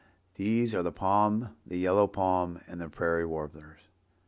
These are the Palm, the yellow Palm and the Prairie Warblers.